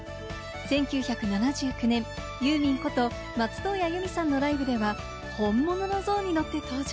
１９７９年、ユーミンこと松任谷由実さんのライブでは本物のゾウに乗って登場。